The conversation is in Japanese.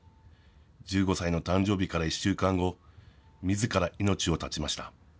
１５歳の誕生日から１週間後、みずから命を絶ちました。